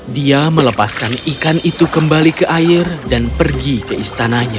dia melepaskan ikan itu kembali ke air dan pergi ke istananya